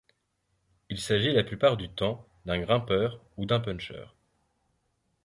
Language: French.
Il s'agit la plupart du temps d'un grimpeur ou d'un puncheur.